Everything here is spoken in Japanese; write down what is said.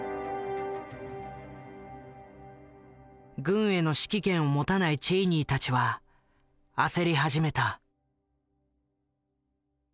軍への指揮権を持たないチェイニーたちは焦り始めた。